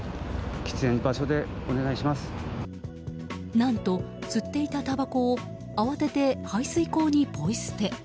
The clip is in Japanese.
何と、吸っていたたばこを慌てて排水溝にポイ捨て。